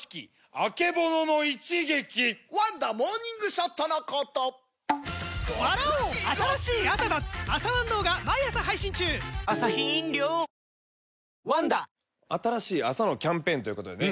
あけぼのの一撃「ワンダモーニングショット」のこと新しい朝のキャンペーンということでね